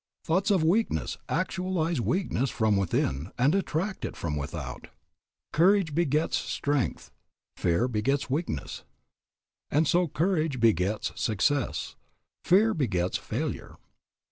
Thoughts of weakness actualize weakness from within and attract it from without. Courage begets strength, fear begets weakness. And so courage begets success, fear begets failure.